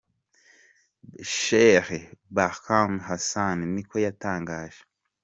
Sheikh Bahame Hassan niko yatangaje.